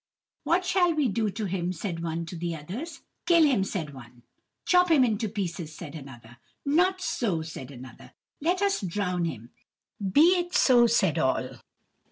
"What shall we do to him?" said one to the others. "Kill him," said one. "Chop him into pieces," said another. "Not so," said another; "let us drown him." "Be it so," said all.